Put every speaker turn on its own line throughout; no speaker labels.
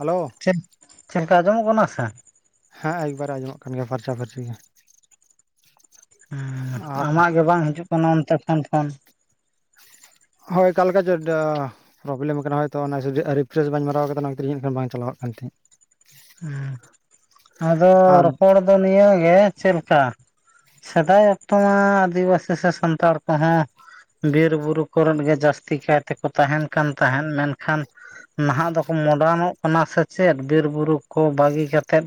Hello
ᱪᱮᱫ ᱪᱮᱫ ᱞᱮᱠᱟ ᱟᱸᱡᱚᱢᱚᱜ ᱠᱟᱱᱟ ᱥᱮ
ᱦᱮᱸ ᱮᱠᱵᱟᱨᱮ ᱟᱸᱡᱚᱢᱚᱜ ᱠᱟᱱ ᱜᱮᱭᱟ ᱯᱷᱟᱨᱪᱟᱼ ᱯᱷᱟᱹᱨᱪᱤ ᱜᱮ
ᱩᱸ
ᱟᱨ
ᱟᱢᱟᱜ ᱜᱮ ᱵᱟᱝ ᱦᱤᱡᱩᱜ ᱠᱟᱱᱟ ᱚᱱᱛᱮ ᱠᱷᱚᱱ ᱯᱷᱳᱱ
ᱦᱳᱭ ᱞᱮᱠᱟ ᱪᱟ ᱰᱟ ᱯᱨᱚᱵᱞᱮᱢ ᱟᱠᱟᱱᱟ ᱦᱚᱭᱛᱳ ᱚᱱᱟ ᱨᱤᱯᱷᱨᱮᱥ ᱵᱟᱹᱧ ᱢᱟᱨᱟᱣ ᱠᱟᱫᱟ ᱚᱱᱟᱧᱜᱟᱱ ᱵᱟᱝ ᱪᱟᱞᱟᱜ ᱠᱟᱱ ᱛᱤᱧ ᱛᱟᱦᱮᱸᱫ
ᱦᱮᱸ ᱟᱫᱚ
ᱟᱨ
ᱨᱚᱯᱚᱲ ᱫᱚ ᱱᱤᱭᱮ ᱜᱮ ᱪᱮᱫ‌ ᱞᱮᱠᱟ ᱥᱮᱫᱟᱭ ᱚᱠᱛᱚ ᱢᱟ ᱟᱹᱫᱤᱵᱟᱹᱥᱤ ᱥᱮ ᱥᱟᱱᱛᱟᱲ ᱠᱚᱦᱚᱸ ᱵᱤᱨ ᱵᱩᱨᱩ ᱠᱚᱨᱮᱱ ᱜᱮ ᱡᱟᱹᱥᱛᱤ ᱠᱟᱭ ᱛᱮᱠᱚ ᱛᱟᱦᱮᱱ ᱠᱟᱱ ᱛᱟᱦᱮᱸᱫ ᱢᱮᱱᱠᱷᱟᱱ ᱱᱟᱦᱟᱜ ᱫᱚᱠᱚ ᱢᱚᱰᱟᱨᱟᱱᱚᱜ ᱠᱟᱱᱟ ᱥᱮ ᱪᱮᱫ ᱵᱤᱨ ᱵᱩᱨᱩ ᱠᱚ ᱵᱟᱹᱜᱤ ᱠᱟᱛᱮᱫ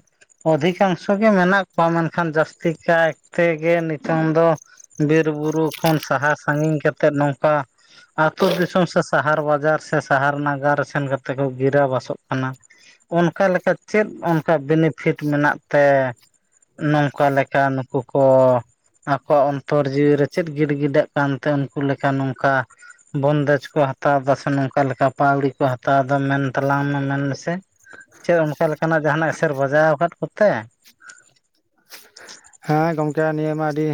ᱚᱫᱷᱤᱠᱟᱷᱟᱝᱥᱚ ᱜᱮ ᱢᱮᱱᱟᱜ ᱠᱚᱣᱟ ᱢᱮᱱᱠᱷᱟᱱ ᱡᱟᱹᱥᱛᱤ ᱠᱟᱭ ᱛᱮᱜᱮ ᱱᱤᱛᱚᱝ ᱫᱚ ᱵᱤᱨ ᱵᱩᱨᱩ ᱠᱷᱚᱱ ᱥᱟᱦᱟ ᱥᱟᱺᱜᱤᱧ ᱠᱟᱛᱮᱜ ᱱᱚᱝᱠᱟ ᱟᱛᱳ ᱫᱤᱥᱚᱢ ᱥᱮ ᱥᱟᱦᱟᱨ ᱵᱟᱡᱟᱨ ᱥᱮ ᱥᱟᱦᱟᱨ ᱱᱟᱜᱟᱨ ᱥᱮᱱ ᱠᱟᱛᱮᱫ ᱠᱚ ᱜᱤᱨᱟᱹ ᱵᱟᱥᱚᱜ ᱠᱟᱱᱟ ᱚᱱᱠᱟ ᱞᱮᱠᱟ ᱪᱮᱫ ᱚᱱᱠᱟ ᱵᱮᱱᱤᱯᱷᱤᱴ ᱢᱮᱱᱟᱜ ᱛᱮ ᱱᱚᱝᱠᱟ ᱞᱮᱠᱟ ᱱᱩᱠᱩ ᱠᱚ ᱟᱠᱚᱣᱟᱜ ᱚᱱᱛᱚᱨ ᱡᱤᱣᱤᱨ ᱨᱮ ᱪᱮᱫ ᱜᱤᱰ ᱜᱤᱰᱟᱹᱜ ᱠᱟᱱᱛᱮ ᱩᱱᱠᱩ ᱞᱮᱠᱟ ᱱᱚᱝᱠᱟ ᱵᱚᱱᱫᱮᱡᱽ ᱠᱚ ᱦᱟᱛᱟᱣ ᱮᱫᱟ ᱱᱚᱝᱠᱟ ᱞᱮᱠᱟ ᱯᱟᱹᱣᱲᱤ ᱠᱚ ᱦᱟᱛᱟᱣ ᱮᱫᱟ ᱢᱮᱱ ᱛᱟᱞᱟᱝ ᱢᱮ ᱢᱮᱱ ᱢᱮᱥᱮ ᱪᱮᱫ ᱚᱱᱠᱟᱮ ᱞᱮᱠᱟᱱᱟᱜ ᱡᱟᱦᱟᱸᱱᱟᱜ ᱮᱥᱮᱨ ᱵᱟᱡᱟᱣ ᱟᱠᱟᱫ ᱠᱚᱛᱮ
ᱦᱮᱸ ᱜᱚᱝᱠᱮ ᱱᱤᱭᱟᱹ ᱢᱟ ᱟᱹᱰᱤ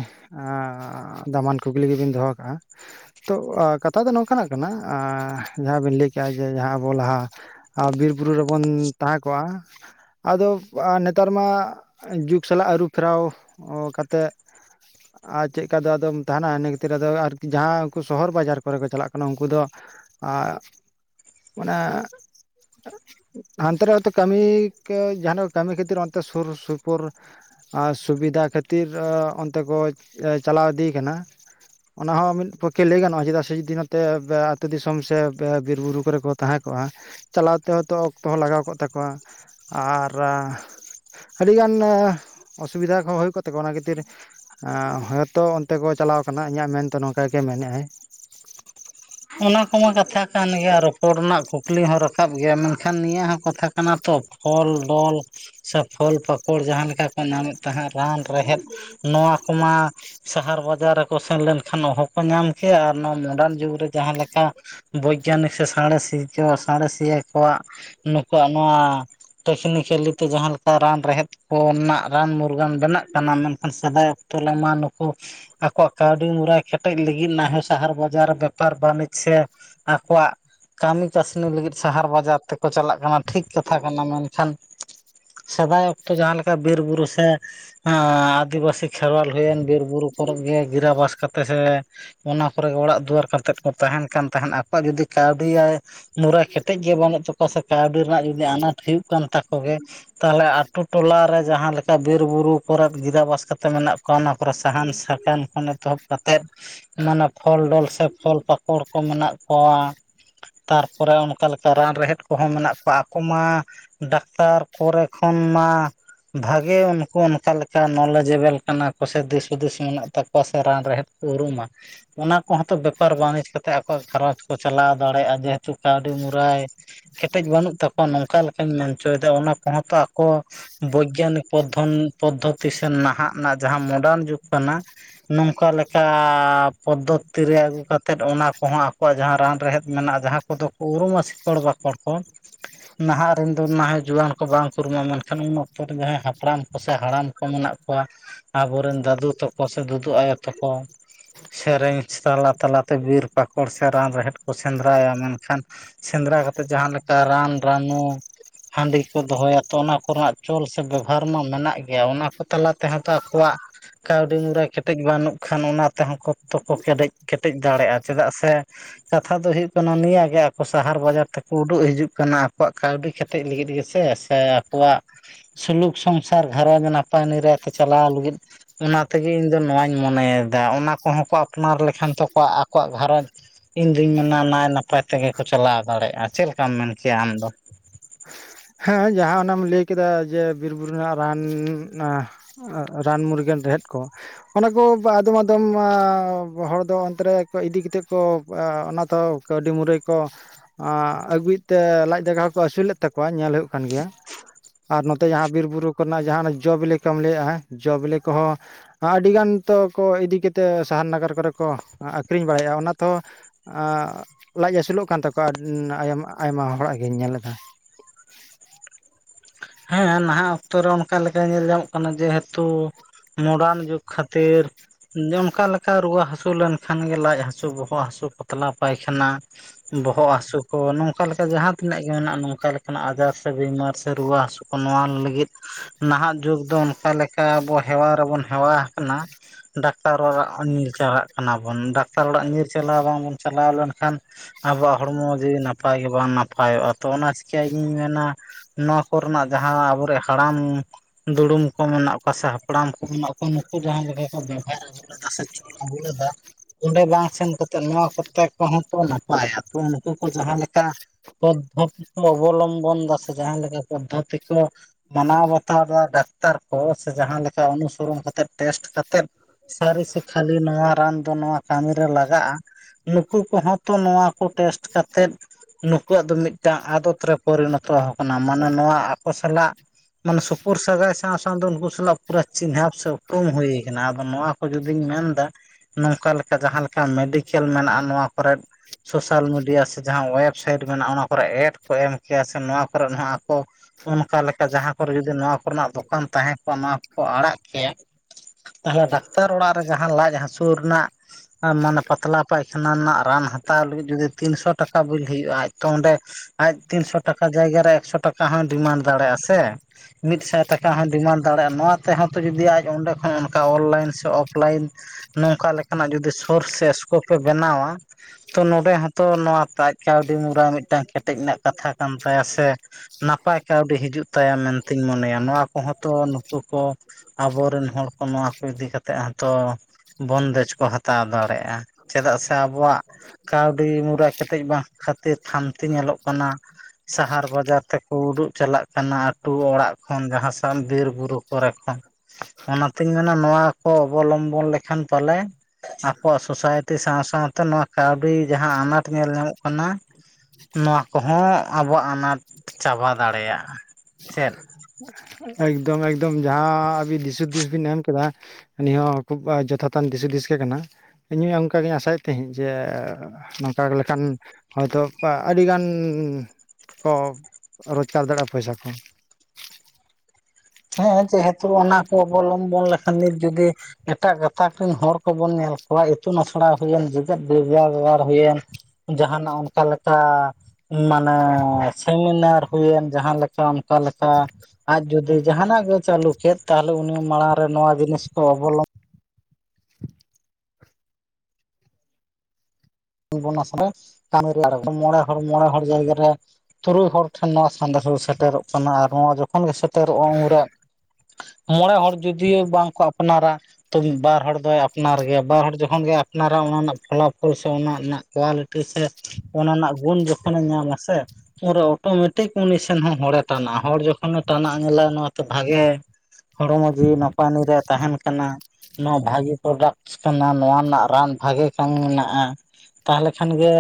ᱫᱟᱢᱟᱱ ᱠᱩᱠᱞᱤ ᱜᱮᱵᱤᱱ ᱫᱚᱦᱚ ᱠᱟᱜᱼᱟ ᱛᱚ ᱠᱟᱛᱷᱟ ᱫᱚ ᱱᱚᱝᱠᱟᱱᱟᱜ ᱠᱟᱱᱟ ᱡᱟᱦᱟᱸ ᱵᱤᱱ ᱞᱟᱹᱭ ᱠᱮᱜᱼᱟ ᱡᱮ ᱡᱟᱦᱟᱸ ᱟᱵᱚ ᱞᱟᱦᱟ ᱟᱨ ᱵᱤᱨ ᱵᱩᱨᱩ ᱨᱮᱵᱚᱱ ᱛᱟᱦᱮᱸ ᱠᱚᱜᱼᱟ ᱟᱫᱚ ᱱᱮᱛᱟᱨ ᱢᱟ ᱡᱩᱜᱽ ᱥᱟᱞᱟᱜ ᱟᱹᱨᱩᱯᱷᱮᱨᱟᱣ ᱠᱟᱛᱮᱫ [inaudible] ᱟᱨ ᱪᱮᱫ ᱞᱮᱠᱟ ᱫᱚ ᱟᱫᱚᱢ ᱛᱟᱦᱮᱱᱟ ᱤᱱᱟ. ᱠᱷᱟᱹᱛᱤᱨ ᱟᱫᱚ ᱟᱨᱠᱤ ᱡᱟᱦᱟᱸᱭ ᱩᱱᱠᱩ ᱥᱚᱦᱚᱨ ᱵᱟᱡᱟᱨ ᱠᱚᱨᱮ ᱠᱚ ᱪᱟᱞᱟᱜ ᱠᱟᱱᱟ ᱩᱱᱠᱩ ᱫᱚ ᱟᱨ ᱢᱟᱱᱮ ᱦᱟᱱᱛᱮ ᱨᱮ ᱦᱚᱭᱛᱚ ᱠᱟᱹᱢᱤ ᱠᱚ ᱡᱟᱦᱟᱱᱟᱜ ᱠᱟᱹᱢᱤ ᱠᱷᱟᱹᱛᱤᱨ ᱚᱱᱛᱮ ᱥᱩᱨ ᱥᱩᱯᱩᱨ ᱟᱨ ᱥᱩᱵᱤᱫᱷᱟ ᱠᱷᱟᱹᱛᱤᱨ ᱚᱱᱛᱮ ᱠᱚ ᱪᱟᱞᱟᱣ ᱤᱫᱤᱭ ᱠᱟᱱᱟ ᱚᱱᱟ ᱦᱚᱸ ᱢᱤᱫ ᱯᱚᱠᱠᱷᱮ ᱞᱟᱹᱭ ᱜᱟᱱᱚᱜᱼᱟ ᱪᱮᱫᱟᱜ ᱥᱮ ᱡᱩᱫᱤ ᱱᱚᱛᱮ ᱟᱹᱛᱩᱳ ᱫᱤᱥᱚᱢ ᱥᱮ ᱵᱤᱨ ᱵᱩᱨᱩ ᱠᱚᱨᱮ ᱠᱚ ᱛᱟᱦᱮᱸ ᱠᱚᱜᱼᱟ ᱪᱟᱞᱟᱣᱛᱮ ᱦᱭᱛᱚ ᱚᱠᱛᱚ ᱦᱚᱸ ᱞᱟᱜᱟᱣ ᱠᱚᱜ ᱛᱟᱠᱚᱣᱟ ᱟᱨ ᱟᱹᱰᱤᱲᱜᱟᱱ ᱥᱩᱵᱤᱫᱷᱟ ᱠᱚ ᱦᱩᱭ ᱠᱚᱜ ᱛᱟᱠᱚᱣᱟ ᱚᱱᱟ ᱠᱷᱟᱹᱛᱤᱨ ᱟᱸᱜ ᱦᱚᱭᱛᱚ ᱚᱱᱛᱮ ᱠᱚ ᱪᱟᱞᱟᱣ ᱠᱟᱱᱟ ᱤᱧᱟᱜ ᱢᱮᱱᱛᱮ ᱱᱚᱝᱠᱟ ᱜᱮ ᱢᱮᱱᱮᱜᱼᱟᱭ᱾
ᱚᱱᱟ ᱠᱚᱢᱟ ᱠᱟᱛᱷᱟ ᱠᱟᱱ ᱜᱮᱭᱟ ᱨᱚᱯᱚᱲ ᱨᱮᱱᱟᱜ ᱠᱩᱠᱞᱤ ᱦᱚᱸ ᱨᱟᱠᱟᱵ ᱜᱮᱭᱟ ᱢᱮᱱᱠᱷᱟᱱ ᱱᱤᱭᱟ ᱦᱟᱸ ᱠᱚᱛᱷᱟ ᱠᱟᱱᱟᱛᱚ ᱯᱷᱚᱞ ᱰᱚᱞ ᱥᱮ ᱯᱷᱚᱞ ᱯᱟᱠᱚᱲ ᱡᱟᱸᱦᱟᱸ ᱞᱮᱠᱟ ᱠᱚ ᱱᱟᱢᱮᱫ ᱛᱟᱦᱮᱸᱫ ᱨᱟᱱ ᱨᱮᱦᱮᱫ ᱱᱚᱣᱟ ᱠᱚᱢᱟ ᱥᱟᱦᱟᱨ ᱵᱟᱡᱟᱨ ᱨᱮᱠᱚ ᱥᱮᱱ ᱞᱮᱱᱠᱷᱟᱱ ᱚᱦᱚᱠᱚ ᱧᱟᱢᱠᱮᱭᱟ ᱟᱨ ᱱᱚᱣᱟ ᱢᱚᱰᱮᱱ ᱡᱩᱜᱽ ᱨᱮ ᱡᱟᱸᱦᱟᱸ ᱞᱮᱠᱟ ᱵᱳᱭᱜᱟᱱᱤᱠ ᱥᱮ ᱥᱟᱬᱮᱥᱤᱡᱚ ᱥᱟᱬᱮᱥᱤᱭᱟᱹ ᱠᱚᱣᱟᱜ ᱱᱩᱠᱩᱣᱟᱜ ᱱᱚᱣᱟ ᱴᱮᱠᱱᱤᱠᱮᱞᱤ ᱛᱮ ᱡᱟᱸᱦᱟᱸ ᱞᱮᱠᱟ ᱨᱟᱱ ᱨᱮᱦᱮᱫ ᱠᱚᱱᱟᱜ ᱨᱟᱱ ᱢᱩᱨᱜᱟᱱ ᱵᱮᱱᱟᱜ ᱠᱟᱱᱟ ᱢᱮᱱᱠᱷᱟᱱ ᱥᱮᱫᱟᱭ ᱚᱠᱛᱚ ᱞᱮᱢᱟ ᱱᱩᱠᱩ ᱟᱠᱚᱣᱟᱜ ᱠᱟᱣᱰᱤ ᱢᱩᱨᱟᱭ ᱠᱮᱴᱮᱡ ᱞᱟᱹᱜᱤᱫ ᱱᱟᱦᱚ ᱥᱟᱦᱟᱨ ᱵᱟᱡᱟᱨ ᱵᱮ ᱯᱟᱨ ᱵᱟᱹᱱᱤᱡᱽ ᱥᱮ ᱟᱠᱚᱣᱟᱜ ᱠᱟᱢᱤ ᱠᱟᱥᱱᱤ ᱞᱟᱹᱜᱤᱫ ᱥᱟᱦᱟᱨ ᱵᱟᱡᱟᱨ ᱛᱮᱠᱚ ᱪᱟᱞᱟᱜ ᱠᱟᱱᱟ ᱴᱷᱤᱠ ᱠᱟᱛᱷᱟ ᱠᱟᱱᱟ ᱢᱮᱱᱠᱷᱟᱱ, ᱥᱮᱫᱟᱭ ᱚᱠᱛᱚ ᱡᱟᱸᱦᱟᱸ ᱞᱮᱠᱟ ᱵᱤᱨ ᱵᱩᱨᱩ ᱥᱮ ᱦᱟᱸ ᱟᱫᱤᱵᱟᱥᱤ ᱠᱷᱮᱨᱣᱟᱞ ᱦᱩᱭᱮᱱ ᱵᱤᱨ ᱵᱩᱨᱩ ᱠᱚᱨᱮ ᱜᱮ ᱜᱤᱨᱟᱵᱟᱥ ᱠᱟᱛᱮ ᱥᱮ ᱚᱱᱟ ᱠᱚᱨᱮᱜᱮ ᱚᱲᱟᱜ ᱫᱩᱣᱟᱨ ᱠᱟᱛᱮᱫ ᱠᱚ ᱛᱟᱦᱮᱱ ᱠᱟᱱ ᱛᱟᱦᱮᱱ ᱟᱠᱚᱣᱟᱜ ᱡᱩᱫᱤ ᱠᱟᱣᱰᱤᱭᱟᱭ ᱱᱩᱨᱟᱭ ᱠᱮᱴᱮᱡ ᱜᱮ ᱵᱟᱱᱩᱜ ᱛᱟᱠᱚᱣᱟ ᱥᱮ ᱠᱟᱣᱰᱤ ᱨᱮᱱᱟᱜ ᱡᱩᱫᱤ ᱟᱱᱟᱴ ᱦᱩᱭᱩᱜ ᱠᱟᱱ ᱛᱟᱠᱚ ᱜᱮ ᱛᱟᱦᱚᱞᱮ ᱟᱴᱩ ᱴᱚᱞᱟᱨᱮ ᱡᱟᱸᱦᱟᱸᱞᱮᱠᱟ ᱵᱤᱨ ᱵᱩᱨᱩ ᱠᱚᱨᱮᱫ ᱜᱤᱨᱟᱵᱟᱥ ᱠᱟᱛᱮᱫ ᱢᱮᱱᱟᱜ [unintelligible] ᱥᱟᱦᱟᱱ ᱥᱟᱠᱟᱢ ᱠᱷᱚᱱ ᱮᱛᱚᱦᱚᱵ ᱠᱟᱛᱮᱫ ᱢᱟᱱᱮ ᱯᱷᱚᱞ ᱰᱚᱞ ᱥᱮ ᱯᱷᱚᱞ ᱯᱟᱠᱚᱲ ᱠᱚ ᱢᱮᱱᱟᱜ ᱠᱚᱣᱟ᱾ ᱛᱟᱨᱯᱚᱨᱮ ᱚᱱᱠᱟ ᱞᱮᱠᱟ ᱨᱟᱱ ᱨᱮᱦᱮᱫ ᱠᱚᱦᱚᱸ ᱢᱮᱱᱟᱜ ᱠᱚᱣᱟ ᱟᱠᱚ ᱢᱟ ᱰᱟᱠᱛᱟᱨ ᱠᱚᱨᱮ ᱠᱷᱚᱱ ᱢᱟ ᱵᱷᱟᱜᱮ ᱩᱱᱠᱩ ᱚᱱᱠᱟ ᱞᱮᱠᱟ ᱱᱚᱞᱮᱡᱮᱵᱮᱞ ᱠᱟᱱᱟ ᱠᱚ ᱥᱮ ᱫᱤᱥᱦᱩᱫᱤᱥ ᱢᱮᱱᱟᱜ ᱛᱟᱠ ᱠᱚ ᱥᱮ ᱨᱟᱱ ᱨᱮᱦᱮᱫ ᱠᱚ ᱩᱨᱩᱢᱟ ᱚᱱᱟ ᱠᱚᱦᱚᱸᱛᱚ ᱵᱮ ᱯᱟᱨ ᱵᱟᱱᱤᱡᱽ ᱠᱟᱛᱮ ᱟᱠᱚᱣᱟᱜ ᱜᱷᱟᱨᱚᱪ ᱠᱚ ᱪᱟᱞᱟᱣ ᱫᱟᱲᱮᱜᱼᱟ ᱡᱮᱦᱩᱛᱩ ᱠᱟᱣᱰᱤ ᱢᱩᱨᱟᱭ ᱠᱮᱴᱮᱡ ᱵᱟᱱᱩᱜ ᱛᱟᱠᱚᱣᱟ ᱱᱚᱝᱠᱟ ᱞᱮᱠᱟᱧ ᱢᱮᱱᱪᱚᱭᱫᱟ ᱚᱱᱟ ᱠᱚᱦᱚᱸ ᱛᱚ ᱟᱠᱚ ᱵᱳᱭᱜᱟᱱᱤᱠ ᱯᱚᱫᱫᱷᱱ ᱯᱚᱫᱫᱷᱚᱛᱤ ᱥᱮ ᱱᱟᱦᱟᱜ ᱱᱟᱜ ᱡᱟᱦᱟᱸ ᱢᱚᱰᱟᱱ ᱡᱩᱜᱽ ᱠᱟᱱᱟ ᱱᱚᱝᱠᱟ ᱞᱮᱠᱟᱻ ᱯᱚᱫᱫᱷᱚᱛᱛᱤ ᱨᱤ ᱟᱹᱜᱩ ᱠᱟᱛᱮᱫ ᱚᱱᱟ ᱠᱚᱦᱚᱸ ᱟᱠᱚᱣᱟᱜ ᱡᱟᱸᱦᱟᱸ ᱨᱟᱱ ᱨᱮᱦᱮᱫ ᱢᱮᱱᱟᱜᱼᱟ, ᱡᱟᱸᱦᱟᱸ ᱠᱚᱫᱚ ᱠᱩ ᱩᱨᱩᱢᱟ ᱥᱤᱠᱚᱲ ᱵᱟᱠᱚᱲ ᱠᱚ ᱱᱟᱦᱟᱜ ᱨᱮᱱ ᱫᱚ ᱱᱟᱦᱚᱭ ᱡᱩᱣᱟᱱ ᱠᱚ ᱵᱟᱝ ᱠᱚ ᱩᱨᱩᱢᱟ ᱢᱮᱱᱠᱷᱟᱱ ᱩᱱ ᱚᱠᱛᱚ ᱨᱮ ᱡᱟᱦᱟᱸᱭ ᱦᱟᱯᱲᱟᱢ ᱥᱮ ᱦᱟᱲᱟᱢ ᱠᱚ ᱢᱮᱱᱟᱜ ᱠᱚᱣᱟ ᱟᱵᱚ ᱨᱮᱱ ᱫᱟᱫᱩ ᱛᱟᱠᱚ ᱥᱮ ᱫᱩᱫᱩ ᱟᱭᱚ ᱛᱟᱠᱚ᱾ ᱥᱮᱨᱮᱧᱪ ᱛᱟᱞᱟ ᱛᱟᱞᱟᱛᱮ ᱵᱤᱨ ᱯᱟᱠᱚᱲ ᱥᱮ ᱨᱟᱱ ᱨᱮᱦᱮᱫ ᱠᱚ ᱥᱮᱸᱫᱽᱨᱟᱭᱟ ᱢᱮᱱᱠᱷᱟᱱ, ᱥᱮᱸᱫᱽᱨᱟ ᱠᱟᱛᱮ ᱡᱟᱸᱦᱟᱸ ᱞᱮᱠᱟ ᱨᱟᱱ ᱨᱟᱱᱩ ᱦᱟᱰᱤ ᱠᱚ ᱫᱚᱦᱚᱭᱟ ᱛᱚ ᱚᱱᱟ ᱠᱚᱨᱮᱱᱟᱜ ᱪᱚᱞ ᱥᱮ ᱵᱮᱵᱷᱨ ᱢᱟ ᱢᱮᱱᱟᱜ ᱜᱮᱭᱟ ᱚᱱᱟ ᱠᱚ ᱛᱟᱞᱟ ᱛᱮᱦᱚᱸ ᱛᱚ ᱟᱠᱚᱣᱟᱜ ᱠᱟᱣᱰᱤ ᱢᱩᱨᱟᱭ ᱠᱮᱴᱮᱡ ᱵᱟᱱᱩᱜ ᱠᱷᱟᱱ ᱚᱱᱟ ᱛᱮᱦᱚᱸ ᱠᱚ ᱛᱚᱠᱚ ᱠᱮᱴᱮᱡ ᱠᱮᱴᱮᱡ ᱫᱟᱲᱮᱭᱟᱜᱼᱟ ᱪᱮᱫᱟᱜ ᱥᱮ, ᱠᱟᱛᱷᱟ ᱫᱚ ᱦᱩᱭᱩᱜ ᱠᱟᱱᱟ ᱱᱤᱭᱟᱹ ᱜᱮ ᱟᱠᱚ ᱥᱟᱦᱟᱨ ᱵᱟᱡᱟᱨ ᱛᱮᱠᱩ ᱩᱰᱩᱜ ᱦᱤᱡᱩᱜ ᱠᱟᱱᱟ ᱟᱠᱚᱣᱟᱜ ᱠᱟᱣᱰᱤ ᱠᱷᱟ ᱴᱮᱡ ᱞᱤᱜᱤᱫ ᱜᱮᱥᱮ ᱥᱮ ᱟᱠᱚᱣᱟᱜ ᱥᱩᱞᱩᱠ ᱥᱚᱝᱥᱟᱨ ᱜᱷᱟᱨᱚᱸᱡᱽ ᱱᱟᱯᱟᱭ ᱱᱤᱨᱚᱭᱛᱮ ᱪᱟᱞᱟᱣ ᱞᱟᱹᱜᱤᱫ᱾ ᱚᱱᱟ ᱛᱮᱜᱤ ᱤᱧ ᱫᱚ ᱱᱚᱣᱟᱧ ᱢᱚᱱᱮᱭᱮᱫᱟ ᱚᱱᱟ ᱠᱚᱦᱚᱸ ᱠᱚ ᱟᱯᱱᱟᱨ ᱞᱮᱠᱷᱟᱱ ᱛᱟᱠᱚ ᱟᱠᱚᱣᱟᱜ ᱜᱷᱟᱨᱚᱸᱡᱽ ᱤᱧ ᱫᱩᱧ ᱢᱮᱱᱟ ᱱᱟᱭ ᱱᱟᱯᱟᱭ ᱛᱮᱜᱮ ᱠᱚ ᱪᱟᱞᱟᱣ ᱫᱟᱲᱮᱭᱟᱜᱼᱟ ᱪᱮᱫ ᱞᱮᱠᱟᱢ ᱢᱮᱱ ᱠᱮᱭᱟ ᱟᱢᱫᱚ?
ᱦᱮᱸ ᱡᱟᱸᱦᱟᱸ ᱚᱱᱟᱢ ᱞᱟᱹᱭ ᱠᱮᱫᱟ ᱡᱮ ᱵᱤᱨ ᱵᱩᱨᱩ ᱨᱮᱱᱟᱜ ᱨᱟᱱ ᱟᱸ ᱟᱸ ᱨᱟᱱ ᱢᱩᱨᱜᱟᱹᱱ ᱨᱮᱦᱮᱫ ᱠᱚ᱾ ᱚᱱᱟᱠᱚᱵ ᱟᱫᱚᱢ ᱟᱫᱚᱢ ᱟᱸᱻᱵᱚ ᱦᱚᱲ ᱫᱚ ᱚᱱᱛᱮ ᱨᱮ ᱠᱚ ᱤᱫᱤ ᱠᱤᱛᱮᱫ ᱠᱚ ᱟᱻ ᱚᱱᱟ ᱛᱚ ᱟᱹᱣᱰᱤ ᱢᱩᱨᱟᱹᱭ ᱠᱚ ᱟᱸᱻ ᱟᱹᱜᱩᱭᱮᱫ ᱛᱮ ᱞᱟᱡ ᱫᱟᱠᱟ ᱦᱚᱸᱠᱚ ᱟᱹᱥᱩᱞᱮᱫ ᱛᱟᱠ ᱠᱚᱣᱟᱜ ᱧᱮᱞ ᱦᱩᱭᱩᱜ ᱠᱟᱱ ᱜᱮᱭᱟ᱾ [inaudible] ᱟᱨ ᱱᱚᱛᱮ ᱡᱟᱦᱟᱸ ᱵᱤᱨ ᱵᱩᱨᱩ ᱠᱚᱨᱮᱱᱟᱜ ᱡᱟᱦᱟᱸᱱᱟᱜ ᱡᱚ ᱵᱤᱞᱤ ᱠᱚᱢ ᱞᱟᱹᱭᱮᱫᱼᱟ ᱡᱚ ᱵᱤᱞᱤ ᱠᱚᱦᱚᱸ ᱟᱹᱰᱤᱜᱟᱱ ᱛᱚ ᱠᱚ ᱤᱫᱤ ᱠᱟᱛᱮᱫ ᱥᱟᱦᱟᱨ ᱱᱟᱜᱟᱨ ᱠᱚᱨᱮ ᱠᱚ ᱟᱹᱠᱷᱨᱤᱧ ᱵᱟᱲᱟᱭᱟ ᱚᱱᱟ ᱛᱮᱦᱚᱸ ᱞᱟᱡ ᱟᱹᱥᱩᱞᱚᱜ ᱠᱟᱱ ᱛᱟᱠᱚᱣᱟ ᱟᱭᱢᱟ ᱟᱭᱢᱟ ᱦᱚᱲᱟᱜ ᱜᱤᱧ ᱧᱮᱞ ᱮᱫᱟ ᱾ [inaudible]
ᱦᱮᱸ ᱱᱟᱦᱟᱜ ᱚᱠᱛᱚ ᱨᱮ ᱚᱱᱠᱟ ᱞᱮᱠᱟ ᱧᱮᱞ ᱧᱟᱢᱚᱜ ᱠᱟᱱᱟ ᱡᱮᱦᱮᱛᱩ ᱢᱚᱰᱟᱨᱱ ᱡᱩᱜᱽ ᱠᱷᱟᱹᱛᱤᱨ ᱚᱱᱠᱟ ᱞᱮᱠ [unintelligible] ᱨᱩᱣᱟᱹ ᱦᱟᱹᱥᱩ ᱞᱮᱱᱠᱷᱟᱱ ᱜᱮ ᱞᱟᱡ ᱦᱟᱹᱥᱩ ᱵᱚᱦᱚᱜ ᱦᱟᱹᱥᱩ ᱯᱟᱛᱞᱟ ᱯᱟᱭᱠᱷᱟᱱᱟ, ᱵᱚᱦᱚᱜ ᱦᱟᱹᱥᱩ ᱠᱚ ᱱᱚᱝᱠᱟ ᱞᱮᱠᱟ ᱡᱟᱦᱟᱸ ᱛᱤᱱᱟᱹᱜ ᱜᱮ ᱢᱮᱱᱟᱜᱼᱟ ᱱᱚᱝᱠᱟ ᱞᱮᱠᱟᱱᱟᱜ ᱟᱡᱟᱨ ᱥᱮ ᱵᱤᱢᱟᱨ ᱥᱮ ᱨᱩᱣᱟᱹ ᱦᱟᱹᱥᱩ ᱠᱚ ᱱᱚᱣᱟ ᱞᱟᱹᱜᱤᱫ ᱱᱟᱦᱟᱜ ᱡᱩᱜᱽ ᱫᱚ ᱚᱱᱠᱟ ᱞᱮᱠᱟ ᱟᱵᱚ ᱦᱮᱣᱟ ᱨᱮᱵᱚᱱ ᱦᱮᱣᱟ ᱟᱠᱟᱱᱟ ᱾ ᱰᱟᱠᱛᱟᱨ ᱚᱲᱟᱜ ᱧᱤᱨ ᱪᱟᱞᱟᱜ ᱠᱟᱱᱟᱵᱚᱱ ᱾ ᱰᱟᱠᱛᱟᱨ ᱚᱲᱟᱜ ᱧᱤᱨ ᱪᱟᱞᱟᱣ ᱵᱟᱝ ᱵᱚᱱ ᱪᱟᱞᱟᱣ ᱞᱮᱱ ᱠᱷᱟᱱ ᱟᱵᱚᱣᱟᱜ ᱦᱚᱲᱢᱚ ᱡᱤᱣᱤ ᱱᱟᱯᱟᱭ ᱜᱮ ᱵᱟᱝ ᱱᱟᱯᱟᱭᱚᱜᱼᱟ ᱛᱚ ᱚᱱᱟ ᱪᱤᱠᱟᱹ ᱜᱮᱧ ᱢᱮᱱᱟ ᱱᱚᱣᱟ ᱠᱚ ᱨᱮᱱᱟᱜ ᱡᱟᱦᱟᱸ ᱟᱵᱚ ᱨᱮᱱ ᱦᱟᱲᱟᱢ ᱫᱩᱲᱩᱢ ᱠᱚ ᱢᱮᱱᱟᱜ ᱠᱚᱣᱟ ᱥᱮ ᱦᱟᱯᱲᱟᱢ ᱠᱚ ᱢᱮᱱᱟᱜ ᱠᱚᱣᱟ, ᱱᱩᱠᱩ ᱡᱟᱦᱟᱸ ᱞᱮᱠᱟ ᱠᱚ ᱵᱮᱵᱦᱟᱨ [unintelligible] ᱚᱸᱰᱮ ᱵᱟᱝ ᱥᱮᱱ ᱠᱟᱛᱮᱜ ᱱᱚᱣᱟ ᱠᱚᱛᱮ ᱠᱚᱦᱚᱸ ᱛᱚ ᱱᱟᱯᱟᱭᱟ, ᱛᱚ ᱩᱱᱠᱩ ᱠᱚ ᱡᱟᱦᱟᱸ ᱞᱮᱠᱟ [unintelligible] ᱚᱵᱚᱞᱚᱢᱵᱚᱱ ᱮᱫᱟ ᱥᱮ ᱡᱟᱦᱟᱸ ᱞᱮᱠᱟ ᱯᱚᱫᱽᱫᱷᱚᱛᱤ ᱠᱚ ᱢᱟᱱᱟᱣ ᱵᱟᱛᱟᱣ ᱮᱫᱟ ᱫᱟᱠᱛᱟᱨ ᱠᱚ ᱥᱮ ᱡᱟᱦᱟᱸ ᱞᱮᱠᱟ ᱚᱱᱩᱥᱚᱨᱚᱱ ᱠᱟᱛᱮᱫ ᱴᱮᱥᱴ ᱠᱟᱛᱮᱫ ᱥᱟᱹᱨᱤ ᱥᱮ ᱠᱷᱟᱹᱞᱤ ᱱᱚᱣᱟ ᱨᱟᱱ ᱫᱚ ᱱᱚᱣᱟ ᱠᱟᱹᱢᱤ ᱨᱮ ᱞᱟᱜᱟᱜᱼᱟ ᱾ ᱱᱩᱠᱩ ᱠᱚ ᱦᱚᱸ ᱛᱚ ᱱᱚᱣᱟ ᱠᱚ ᱴᱮᱥᱴ ᱠᱟᱛᱮᱫ ᱱᱩᱠᱩᱣᱟᱜ ᱫᱚ ᱢᱤᱫ ᱴᱟᱝ ᱟᱫᱚᱛ ᱨᱮ ᱯᱚᱨᱤᱱᱚᱛᱚ ᱟᱠᱟᱱᱟ ᱾ ᱢᱟᱱᱮ ᱱᱚᱣᱟ ᱟᱠᱚ ᱥᱟᱞᱟᱜ ᱢᱟᱱᱮ ᱥᱩᱯᱩᱨ ᱥᱟᱹᱜᱟᱭ ᱥᱟᱶ ᱥᱟᱶ ᱛᱮ ᱩᱱᱠᱩ ᱥᱟᱞᱟᱜ ᱯᱩᱨᱟᱹ ᱪᱤᱱᱦᱟᱹᱯ ᱥᱮ ᱩᱯᱨᱩᱢ ᱦᱳᱭ ᱟᱠᱟᱱᱟ ᱾ ᱟᱫᱚ ᱱᱚᱣᱟ ᱡᱩᱫᱤᱧ ᱢᱮᱱ ᱮᱫᱟ ᱱᱚᱝᱠᱟ ᱞᱮᱠᱟ ᱡᱟᱦᱟᱸ ᱞᱮᱠᱟ ᱢᱮᱰᱤᱠᱮᱞ ᱢᱮᱱᱟᱜᱼᱟ ᱱᱚᱣᱟ ᱠᱚᱨᱮᱜ ᱥᱳᱥᱟᱞ ᱢᱤᱰᱤᱭᱟ ᱥᱮ ᱡᱟᱦᱟᱸ ᱳᱭᱮᱵᱥᱟᱭᱤᱴ ᱢᱮᱱᱟᱜᱼᱟ ᱚᱱᱟ ᱠᱚᱨᱮ ᱮᱰ ᱠᱚ ᱮᱢ ᱠᱮᱭᱟ ᱥᱮ ᱱᱚᱣᱟ ᱠᱚᱨᱮ ᱦᱚᱸ ᱠᱚ ᱚᱱᱠᱟ ᱞᱮᱠᱟ ᱡᱟᱦᱟᱸ ᱠᱚᱨᱮ ᱡᱩᱫᱤ ᱱᱚᱣᱟ ᱠᱚ ᱨᱮᱱᱟᱜ ᱫᱚᱠᱟᱱ ᱛᱟᱦᱮᱸ ᱠᱚᱜ ᱱᱚᱣᱟ ᱠᱚ ᱠᱚ ᱟᱲᱟᱜ ᱠᱮᱭᱟ ᱾ ᱛᱟᱦᱞᱮ ᱫᱟᱠᱛᱟᱨ ᱚᱲᱟᱜ ᱨᱮ ᱡᱟᱦᱟᱸ ᱞᱟᱡ ᱦᱟᱹᱥᱩ ᱨᱮᱱᱟᱜ ᱢᱟᱱᱮ ᱯᱟᱛᱞᱟ ᱯᱟᱭᱠᱷᱟᱱᱟ ᱨᱮᱱᱟᱜ ᱨᱟᱱ ᱦᱟᱛᱟᱣ ᱞᱟᱹᱜᱤᱫ ᱡᱩᱫᱤ ᱛᱤᱱᱥᱚ ᱴᱟᱠᱟ ᱵᱤᱞ ᱦᱳᱭᱳᱜᱼᱟ ᱟᱡ ᱛᱚ ᱚᱸᱰᱮ ᱟᱡ ᱛᱤᱱᱥᱚ ᱴᱟᱠᱟ ᱡᱟᱭᱜᱟ ᱨᱮ ᱮᱠᱥᱚ ᱴᱟᱠᱟ ᱦᱚᱸᱭ ᱰᱤᱢᱟᱴ ᱫᱟᱲᱮᱭᱟᱜᱼᱟ ᱥᱮ ᱾ ᱢᱤᱫᱥᱟᱭ ᱴᱟᱠᱟ ᱦᱚᱸᱭ ᱰᱤᱢᱟᱱᱴ ᱫᱟᱲᱮᱭᱟᱜᱼᱟ ᱱᱚᱣᱟ ᱛᱮᱦᱚᱸ ᱛᱚ ᱡᱩᱫᱤ ᱟᱡ ᱚᱸᱰᱮ ᱠᱷᱚᱱ ᱚᱱᱠᱟ ᱚᱱᱞᱟᱭᱤᱱ ᱥᱮ ᱚᱯᱷᱞᱟᱭᱤᱱ ᱱᱚᱝᱠᱟ ᱞᱮᱠᱟᱱᱟᱜ ᱡᱩᱫᱤ ᱥᱳᱨᱥ ᱥᱮ ᱥᱠᱳᱯ ᱮ ᱵᱮᱱᱟᱣᱟ ᱾ ᱛᱚ ᱱᱚᱰᱮ ᱦᱚᱸᱛᱚ ᱱᱚᱣᱟ ᱛᱚ ᱟᱡ ᱠᱟᱹᱣᱰᱤ ᱢᱳᱨᱟ ᱢᱤᱫᱴᱟᱝ ᱠᱮᱴᱮᱡ ᱨᱮᱱᱟᱜ ᱠᱟᱛᱷᱟ ᱠᱟᱱ ᱛᱟᱭᱟ ᱥᱮ ᱾ ᱱᱟᱯᱟᱭ ᱠᱟᱹᱣᱰᱤ ᱦᱤᱡᱩᱜ ᱛᱟᱭᱟ ᱢᱮᱱᱛᱤᱧ ᱢᱚᱱᱮᱭᱟ ᱾ ᱱᱚᱣᱟ ᱠᱚᱦᱚᱸ ᱛᱚ ᱱᱩᱠᱩ ᱠᱚ ᱟᱵᱚ ᱨᱮᱱ ᱦᱚᱲ ᱠᱚ ᱱᱚᱣᱟ ᱠᱚ ᱤᱫᱤ ᱠᱟᱛᱮᱫ ᱦᱚᱸ ᱛᱚ ᱵᱚᱱᱫᱮᱡ ᱠᱚ ᱦᱟᱛᱟᱣ ᱫᱟᱲᱮᱜᱼᱟ ᱪᱮᱫᱟᱜ ᱥᱮ ᱟᱵᱚᱣᱟᱜ ᱠᱟᱹᱣᱰᱤ ᱢᱩᱨᱟᱹᱭ ᱠᱮᱴᱮᱡ ᱵᱟᱝ ᱠᱷᱟᱹᱛᱤᱨ ᱠᱷᱟᱢᱛᱤ ᱧᱮᱞᱚᱜ ᱠᱟᱱᱟ ᱾ ᱥᱟᱦᱟᱨ ᱵᱟᱡᱟᱨ ᱛᱮ ᱩᱰᱩᱜ ᱪᱟᱞᱟᱜ ᱠᱟᱱᱟ ᱟᱹᱛᱩ ᱚᱲᱟᱜ ᱠᱷᱚᱱ ᱡᱟᱦᱟᱸ [unintelligible] ᱵᱤᱨ ᱵᱩᱨᱩ ᱠᱚᱨᱮ ᱠᱷᱚᱱ ᱚᱱᱟᱛᱤᱧ ᱢᱮᱱᱟ ᱱᱚᱣᱟ ᱠᱚ ᱚᱵᱚᱞᱚᱢᱵᱚᱱ ᱞᱮᱠᱷᱟᱱ ᱛᱟᱞᱮ ᱟᱠᱚᱣᱟᱜ ᱥᱳᱥᱟᱭᱴᱤ ᱥᱟᱶ ᱥᱟᱶᱛᱮ ᱱᱚᱣᱟ ᱠᱟᱹᱣᱰᱤ ᱡᱟᱦᱟᱸ ᱟᱱᱟᱴ ᱧᱮᱞ ᱧᱟᱢᱚᱜ ᱠᱟᱱᱟ ᱱᱚᱣᱟ ᱠᱚ ᱦᱚᱸ ᱟᱵᱚᱣᱟᱜ ᱟᱱᱟᱴ ᱪᱟᱵᱟ ᱫᱟᱲᱮᱭᱟᱜᱼᱟ [inaudible] ᱪᱮᱫ?
ᱮᱠᱫᱚᱢ ᱮᱠᱫᱚᱢ ᱡᱟᱦᱟᱸ ᱟᱵᱤᱱ ᱫᱤᱥ ᱦᱩᱫᱤᱥ ᱵᱤᱱ ᱮᱢ ᱠᱮᱫᱟ ᱾ ᱱᱤᱭᱟᱹ ᱦᱚᱸ ᱠᱷᱩᱵ ᱡᱚᱛᱷᱟᱛᱟᱱ ᱫᱤᱥ ᱦᱩᱫᱤᱥ ᱜᱮ ᱠᱟᱱᱟ ᱾ ᱤᱧ ᱦᱚᱸ ᱚᱱᱠᱟ ᱜᱤᱧ ᱟᱥᱟᱭᱮᱫ ᱛᱟᱦᱮᱸᱫ ᱡᱮ ᱱᱚᱝᱠᱟ ᱞᱮᱠᱟᱱ ᱦᱳᱭᱛᱳ ᱚᱱᱠᱟ ᱟᱹᱰᱤᱜᱟᱱ ᱠᱚ ᱨᱳᱡᱽᱠᱟᱨ ᱫᱟᱲᱮᱭᱟᱜᱼᱟ ᱯᱚᱭᱥᱟ ᱠᱚ ᱾
ᱦᱮᱸ ᱡᱮᱦᱮᱛᱩ ᱚᱱᱟ ᱠᱚ ᱚᱵᱚᱞᱚᱢᱵᱚᱱ ᱞᱮᱠᱷᱟᱱ ᱫᱚ ᱡᱩᱫᱤ ᱮᱴᱟᱜ ᱜᱟᱛᱟᱠ ᱨᱮᱱ ᱦᱚᱲ ᱠᱚᱵᱚᱱ ᱧᱮᱞ ᱠᱚᱣᱟ ᱤᱛᱩᱱ ᱟᱥᱲᱟ ᱦᱩᱭᱮᱱ ᱡᱮᱜᱮᱫ [unintelligible] ᱦᱩᱭᱮᱱ ᱾ ᱡᱟᱦᱟᱱᱟᱜ ᱚᱝᱠᱟ ᱞᱮᱠᱟ ᱢᱟᱱᱮ ᱥᱮᱢᱤᱱᱟᱨ ᱦᱩᱭᱮᱱ ᱡᱟᱦᱟᱸ ᱞᱮᱠᱟ ᱚᱱᱠᱟ ᱞᱮᱠᱟ ᱟᱨ ᱡᱩᱫᱤ ᱡᱟᱦᱟᱱᱟᱜ ᱜᱮ ᱪᱟᱹᱞᱩ ᱠᱮᱫ ᱛᱟᱦᱞᱮ ᱩᱱᱤ ᱢᱟᱲᱟᱝ ᱨᱮ ᱱᱚᱣᱟ ᱡᱤᱱᱤᱥ ᱠᱚ ᱚᱵᱚᱞᱚᱢ ᱵᱚᱱᱟᱥ ᱨᱮ ᱠᱟᱹᱢᱤ [inaudible] ᱢᱚᱬᱮ ᱦᱚᱲ ᱢᱚᱬᱮ ᱦᱚᱲ ᱡᱟᱭᱜᱟ ᱨᱮ ᱛᱩᱨᱩᱭ ᱦᱚᱲ ᱴᱷᱮᱱ ᱱᱚᱣᱟ ᱥᱟᱸᱫᱮ ᱦᱚᱸ ᱥᱮᱴᱮᱨᱚᱜ ᱠᱟᱱᱟ ᱟᱨ ᱱᱚᱣᱟ ᱡᱚᱠᱷᱚᱱ ᱜᱮ ᱥᱮᱴᱮᱨᱚᱜᱼᱟ ᱩᱱ ᱨᱮ ᱢᱚᱬᱮ ᱦᱚᱲ ᱡᱩᱫᱤᱭᱳ ᱵᱟᱝ ᱠᱚ ᱟᱯᱱᱟᱨᱟ ᱛᱚ ᱵᱟᱨ ᱦᱚᱲ ᱫᱚᱭ ᱟᱯᱱᱟᱨ ᱜᱮᱭᱟ ᱵᱟᱨ ᱦᱚᱲ ᱡᱚᱠᱷᱚᱱ ᱜᱮ ᱟᱯᱱᱟᱨ ᱚᱱᱟ ᱱᱟᱜ ᱯᱷᱚᱞᱟ ᱯᱷᱚᱞ ᱚᱱᱟ ᱱᱟᱜ ᱠᱳᱣᱟᱞᱤᱴᱤ ᱥᱮ ᱚᱱᱟ ᱱᱟᱜ ᱜᱩᱱ ᱡᱚ ᱠᱷᱚᱱᱮᱢ ᱧᱟᱢᱟ ᱥᱮ ᱩᱱᱨᱮ ᱚᱴᱳ ᱢᱮᱴᱤᱠ ᱩᱱᱤ ᱥᱮᱱ ᱦᱚᱸ ᱦᱚᱲᱮ ᱴᱟᱱᱟᱜᱼᱟ ᱦᱚᱲ ᱡᱚ ᱠᱷᱚᱱᱮ ᱴᱟᱱᱟᱜ ᱧᱮᱞᱟᱭ ᱱᱚᱣᱟ ᱛᱮ ᱵᱷᱟᱜᱮ ᱦᱚᱲᱢᱚ ᱡᱤᱣᱤ ᱱᱟᱯᱟᱭ ᱱᱤᱨᱟᱭ ᱛᱟᱦᱮᱱ ᱠᱟᱱᱟ᱾ ᱱᱚᱣᱟ ᱵᱷᱟᱜᱤ ᱯᱚᱰᱟᱠᱥ ᱠᱟᱱᱟ ᱱᱚᱣᱟ ᱱᱟᱜ ᱨᱟᱱ ᱵᱷᱟᱜᱮ ᱠᱟᱹᱢᱤ ᱢᱮᱱᱟᱜᱼᱟ᱾ ᱛᱟᱦᱞᱮ ᱠᱷᱟᱱ ᱜᱮ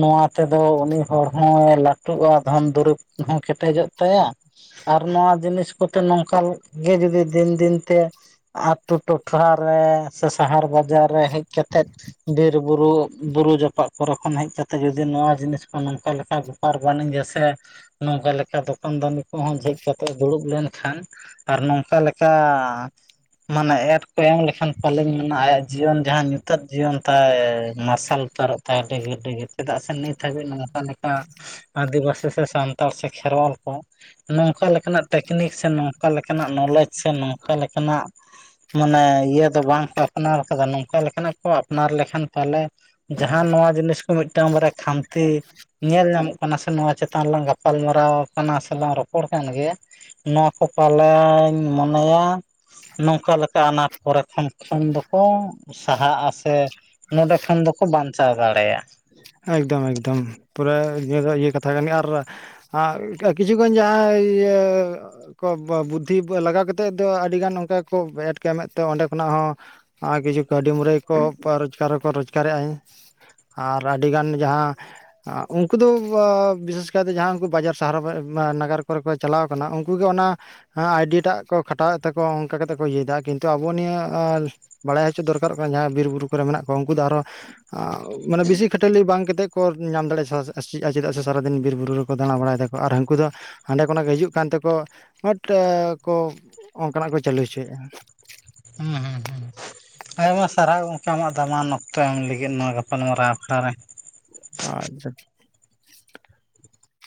ᱱᱚᱣᱟ ᱛᱮ ᱫᱚ ᱩᱱᱤ ᱦᱚᱲ ᱦᱚᱸᱭ ᱞᱟᱹᱴᱩᱜᱼᱟ ᱫᱷᱚᱱ ᱫᱩᱨᱤᱵ ᱦᱚᱸ ᱠᱮᱴᱮᱡᱚᱜ ᱛᱟᱭᱟ᱾ ᱟᱨ ᱱᱚᱣᱟ ᱡᱤᱱᱤᱥ ᱠᱚᱛᱮ ᱱᱚᱝᱠᱟ ᱜᱮ ᱡᱩᱫᱤ ᱫᱤᱱ ᱫᱤᱱᱛᱮ ᱟᱛᱳ ᱴᱚᱴᱷᱟ ᱨᱮ ᱥᱮ ᱥᱟᱦᱟᱨ ᱵᱟᱡᱟᱨ ᱨᱮ ᱦᱮᱡ ᱠᱟᱛᱮᱜ ᱵᱤᱨ ᱵᱩᱨᱩ ᱵᱩᱨᱩ ᱡᱟᱯᱟᱜ ᱠᱚᱨᱮ ᱠᱷᱚᱱ ᱦᱮᱡ ᱠᱟᱛᱮ ᱡᱩᱫᱤ ᱱᱚᱣᱟ ᱡᱤᱱᱤᱥ ᱠᱚ ᱱᱚᱝᱠᱟ ᱞᱮᱠᱟ ᱵᱮᱯᱟᱨ ᱵᱟᱹᱱᱤᱡᱟ ᱥᱮ ᱱᱚᱝᱠᱟ ᱞᱮᱠᱟ ᱫᱚᱠᱟᱱ ᱫᱟᱱᱤ ᱠᱚᱦᱚᱸ ᱡᱷᱤᱡ ᱠᱟᱛᱮᱜ ᱫᱩᱲᱩᱵ ᱞᱮᱱᱠᱷᱟᱱ ᱟᱨ ᱱᱚᱝᱠᱟ ᱞᱮᱠᱟ ᱢᱟᱱᱮ ᱮᱴ ᱠᱚ ᱮᱢ ᱞᱮᱠᱷᱟᱱ ᱯᱟᱞᱮᱧ ᱢᱮᱱᱟ ᱟᱭᱟᱜ ᱡᱤᱭᱚᱱ ᱡᱟᱦᱟᱸ ᱧᱩᱛᱟᱹᱛ ᱡᱤᱭᱚᱱ ᱛᱟᱭ ᱢᱟᱨᱥ ᱥᱟᱞ ᱩᱛᱟᱹᱨᱚᱜ ᱛᱟᱭᱟ ᱰᱤᱜᱤᱨ ᱰᱤᱜᱤᱨ ᱪᱮᱫᱟᱜ ᱥᱮ ᱱᱤᱛ ᱦᱟᱹᱵᱤᱡ ᱱᱚᱝᱠᱟ ᱞᱮᱠᱟ ᱟᱹᱫᱤᱵᱟᱹᱥᱤ ᱥᱮ ᱥᱟᱱᱛᱟᱲ ᱥᱮ ᱠᱷᱮᱨᱣᱟᱞ ᱠᱚ ᱱᱚᱝᱠᱟ ᱞᱮᱠᱟᱱᱟᱜ ᱴᱮᱠᱱᱤᱠ ᱥᱮ ᱱᱚᱝᱠᱟ ᱞᱮᱠᱟᱱᱟᱜ ᱱᱚᱞᱮᱡᱽ ᱥᱮ ᱱᱚᱝᱠᱟ ᱞᱮᱠᱟᱱᱟᱜ ᱢᱟᱱᱮ ᱤᱭᱟᱹ ᱫᱚ ᱵᱟᱝᱠᱚ ᱟᱯᱱᱟᱨ ᱠᱟᱫᱟ ᱱᱚᱝᱠᱟ ᱞᱮᱠᱟᱱᱟᱜ ᱠᱚ ᱟᱯᱱᱟᱨ ᱞᱮᱠᱷᱟᱱ ᱯᱟᱞᱮ ᱡᱟᱦᱟᱸ ᱱᱚᱣᱟ ᱡᱤᱱᱤᱥ ᱠᱚ ᱢᱤᱫᱴᱟᱝ ᱵᱟᱨᱭᱟ ᱠᱷᱟᱱᱛᱤ ᱧᱮᱞ ᱧᱟᱢᱚᱜ ᱠᱟᱱᱟ ᱥᱮ ᱱᱚᱣᱟ ᱪᱮᱛᱟᱱ ᱞᱟᱝ ᱜᱟᱯᱟᱞᱢᱟᱨᱟᱣ ᱠᱟᱱᱟ ᱥᱮ ᱞᱟᱝ ᱨᱚᱯᱚᱲ ᱠᱟᱱ ᱜᱮᱭᱟ᱾ ᱱᱚᱣᱟ ᱠᱚ ᱯᱟᱞᱮᱧ ᱢᱚᱱᱮᱭᱟ ᱱᱚᱝᱠᱟ ᱞᱮᱠᱟ ᱟᱱᱟᱴ ᱠᱚᱨᱮ ᱠᱷᱚᱱ ᱠᱷᱚᱱ ᱫᱚᱠᱚ ᱥᱟᱦᱟᱜᱼᱟ ᱥᱮ ᱱᱚᱸᱰᱮ ᱠᱷᱚᱱ ᱫᱚᱠᱚ ᱵᱟᱧᱪᱟᱣ ᱫᱟᱲᱮᱭᱟᱜᱼᱟ᱾
ᱮᱠᱫᱚᱢ ᱮᱠᱫᱚᱢ ᱯᱩᱨᱟᱹ ᱱᱤᱭᱟᱹ ᱫᱚ ᱤᱭᱟᱹ ᱠᱟᱛᱷᱟ ᱠᱟᱱ ᱟᱨ ᱟ ᱠᱤᱪᱷᱩ ᱠᱷᱚᱱ ᱡᱟᱦᱟᱸ ᱤᱭᱟᱹ ᱠᱚ ᱵᱚ-ᱵᱩᱫᱽᱫᱷᱤ ᱞᱟᱜᱟᱣ ᱠᱟᱛᱮᱜ ᱫᱚ ᱟᱹᱰᱤᱜᱟᱱ ᱚᱝᱠᱟ ᱠᱚ ᱮᱴ ᱠᱚ ᱮᱢᱮᱜ ᱛᱮ ᱚᱸᱰᱮ ᱠᱷᱚᱱᱟᱜ ᱦᱚᱸ ᱟᱨ ᱠᱤᱪᱷᱩ ᱠᱟᱹᱣᱰᱤ ᱢᱩᱨᱟᱹᱭ ᱠᱚ ᱯᱚ-ᱨᱚᱡᱽᱜᱟᱨ ᱦᱚᱸᱠᱚ ᱨᱳᱡᱽᱜᱟᱨᱮᱜᱼᱟ ᱦᱮᱸ᱾ ᱟᱨ ᱟᱹᱰᱤᱜᱟᱱ ᱡᱟᱦᱟᱸ ᱟ ᱩᱝᱠᱩ ᱫᱚ ᱵᱚ-ᱵᱤᱥᱮᱥ ᱠᱟᱭᱛᱮ ᱡᱟᱦᱟᱸ ᱩᱱᱠᱩ ᱵᱟᱡᱟᱨ ᱥᱟᱦᱟᱨ ᱵᱟ-ᱱᱟᱜᱟᱨ ᱠᱚᱨᱮ ᱠᱚ ᱪᱟᱞᱟᱣ ᱠᱟᱱᱟ ᱩᱝᱠᱩ ᱜᱮ ᱚᱱᱟ ᱦᱮᱸ ᱟᱭᱰᱤᱭᱟᱹ ᱴᱟᱜ ᱠᱚ ᱠᱷᱟᱴᱟᱣᱮᱜ ᱛᱟᱠᱚᱣᱟ ᱚᱝᱠᱟ ᱠᱟᱛᱮᱜ ᱠᱚ ᱤᱭᱟᱹᱭᱫᱟ ᱠᱤᱱᱛᱩ ᱟᱵᱚ ᱱᱤᱭᱟᱹ ᱟᱸ ᱵᱟᱲᱟᱭ ᱦᱚᱪᱚ ᱫᱚᱨᱠᱟᱨᱚᱜ ᱠᱟᱱᱟ ᱡᱟᱦᱟᱸᱭ ᱵᱤᱨ ᱵᱩᱨᱩ ᱠᱚᱨᱮ ᱢᱮᱱᱟᱜ ᱠᱚ ᱩᱝᱠᱩ ᱫᱚ ᱟᱨᱦᱚ ᱟᱸ ᱢᱟᱱᱮ ᱵᱮᱥᱤ ᱠᱷᱟᱹᱴᱟᱹᱞᱤ ᱵᱟᱝ ᱠᱟᱛᱮᱜ ᱠᱚ ᱧᱟᱢ ᱫᱟᱲᱮ ᱥᱮ-ᱥᱮ- ᱪᱮᱫᱟᱜ ᱥᱮ ᱥᱟᱨᱟᱫᱤᱱ ᱵᱤᱨ ᱵᱩᱨᱩ ᱨᱮᱠᱚ ᱫᱟᱬᱟ ᱵᱟᱲᱟᱭ ᱫᱟᱠᱚ ᱟᱨ ᱦᱟᱝᱠᱩ ᱫᱚ ᱦᱟᱸᱰᱮ ᱠᱷᱚᱱᱟᱜ ᱠᱚ ᱦᱤᱡᱩᱜ ᱠᱟᱱ ᱛᱮᱠᱚ ᱦᱟᱹᱴ ᱮ ᱠᱚ ᱚᱝᱠᱟᱱᱟᱜ ᱠᱚ ᱪᱟᱹᱞᱩ ᱦᱚᱪᱚᱭᱮᱜᱼᱟ᱾
ᱦᱩᱸ ᱦᱩᱸ ᱦᱩᱸ ᱟᱭᱢᱟ ᱥᱟᱨᱦᱟᱣ ᱜᱚᱝᱠᱮ ᱟᱢᱟᱜ ᱫᱟᱢᱟᱱ ᱚᱠᱛᱚ ᱮᱢ ᱞᱟᱹᱜᱤᱫ ᱱᱚᱣᱟ ᱜᱟᱯᱟᱞ ᱢᱟᱨᱟᱣ ᱟᱠᱷᱲᱟ ᱨᱮ᱾
ᱟᱪᱪᱷᱟ